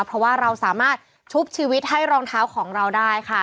เพราะว่าเราสามารถชุบชีวิตให้รองเท้าของเราได้ค่ะ